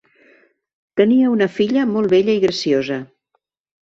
Tenia una filla molt bella i graciosa.